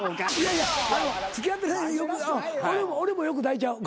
俺もよく抱いちゃう。